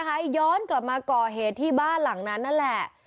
ย้อนกลับมาก่อเหตุที่บ้านหลังนั้นนั่นแหละ